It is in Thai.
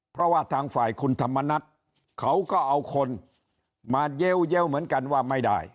เพราะว่าทางฝ่ายคุณธรรมนัฐเขาก็เอาคนมาเย้วเหมือนกันว่าไม่ได้